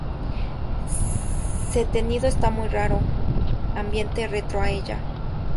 Se tenido está muy raro, ambiente retro a ella.